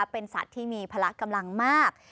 เป็นสัตว์ที่มีพละกำลังมาก